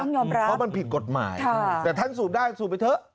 เพราะมันผิดกฎหมายแต่ท่านสูบได้สูบไปเถอะ